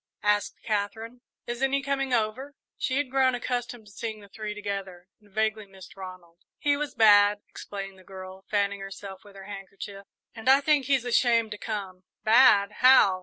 asked Katherine. "Isn't he coming over?" She had grown accustomed to seeing the three together, and vaguely missed Ronald. "He was bad," explained the girl, fanning herself with her handkerchief, "and I think he's ashamed to come." "Bad how?"